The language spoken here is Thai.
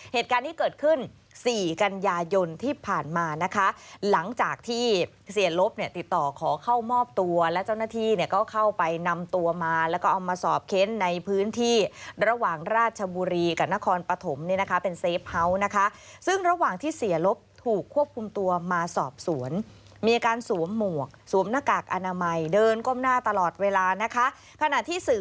เหตุการณ์ที่เกิดขึ้นสี่กันยายนที่ผ่านมานะคะหลังจากที่เสียลบเนี่ยติดต่อขอเข้ามอบตัวและเจ้าหน้าที่เนี่ยก็เข้าไปนำตัวมาแล้วก็เอามาสอบเค้นในพื้นที่ระหว่างราชบุรีกับนครปฐมเนี่ยนะคะเป็นเซฟเฮาส์นะคะซึ่งระหว่างที่เสียลบถูกควบคุมตัวมาสอบสวนมีอาการสวมหมวกสวมหน้ากากอนามัยเดินก้มหน้าตลอดเวลานะคะขณะที่สื่อ